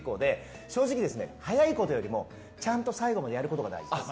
正直、速いことよりもちゃんと最後までやることが大事です。